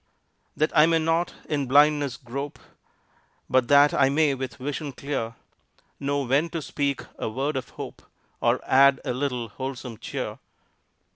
That I may not in blindness grope, But that I may with vision clear Know when to speak a word of hope Or add a little wholesome cheer.